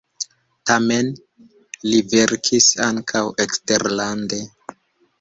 Tamen li verkis ankaŭ eksterlande.